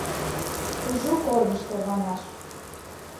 Кужу корныш тарванаш.